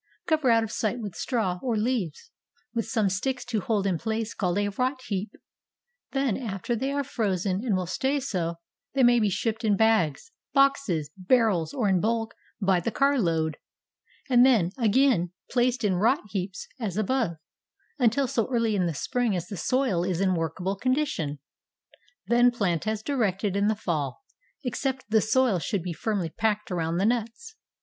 Cover out of sight with straw or leaves, with some sticks to hold in place called a "rot heap;" then after they are frozen and will stay so, they may be shipped in bags, boxes, barrels, or in bulk by the car load, and then, again, placed in "rot heaps," as above, until so early in the spring as the soil is in workable condition. Then plant as directed in the fall, except the soil should be firmly packed around the nuts.